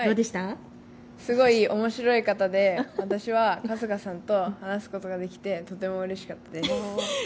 すごいおもしろい方で、私は春日さんと話すことができてとてもうれしかったです。